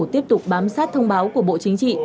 tiếp tục bám sát thông báo của bộ chính trị